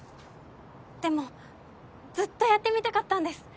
でもずっとやってみたかったんです！